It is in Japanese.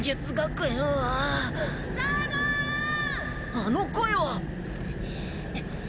あの声は？